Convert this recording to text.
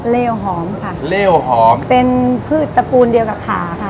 เลวหอมค่ะเลวหอมเป็นพืชตระปูนเดียวกับขาค่ะ